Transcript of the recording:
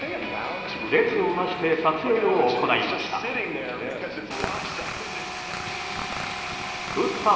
列をなして撮影を行いました。